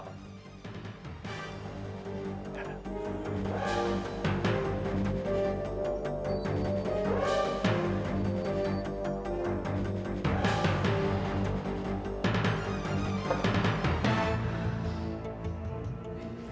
kok sepertinya tegang sekali